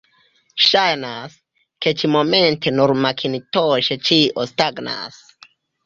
Ŝajnas, ke ĉi-momente nur makintoŝe ĉio stagnas.